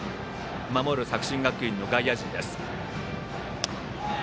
守る作新学院の外野陣です。